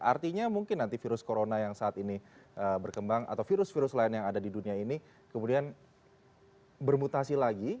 artinya mungkin nanti virus corona yang saat ini berkembang atau virus virus lain yang ada di dunia ini kemudian bermutasi lagi